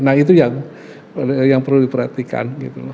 nah itu yang perlu diperhatikan gitu loh